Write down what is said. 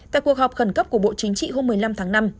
tại cuộc họp khẩn cấp của bộ chính trị hôm một mươi năm tháng năm